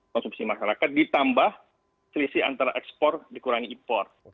konsumsi masyarakat ditambah selisih antara ekspor dikurangi impor